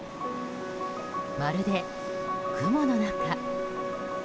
まるで雲の中。